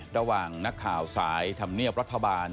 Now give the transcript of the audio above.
ระหว่างนักข่าวสายธรรมเนียบรัฐบาล